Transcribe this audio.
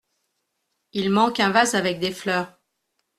Il manque un vase avec des fleurs.